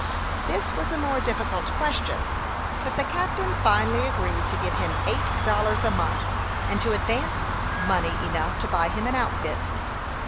This was a more difficult question; but the captain finally agreed to give him eight dollars a month, and to advance money enough to buy him an outfit.